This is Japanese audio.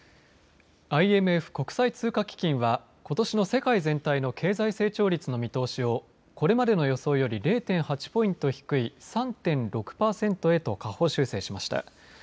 ＩＭＦ、国際通貨基金はことしの世界全体の経済成長率の見通しをこれまでの予想より０．８ポイント低い３．６パーセントへと下方修正しました。